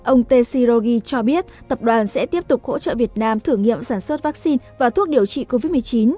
ông t c rogi cho biết tập đoàn sẽ tiếp tục hỗ trợ việt nam thử nghiệm sản xuất vaccine và thuốc điều trị covid một mươi chín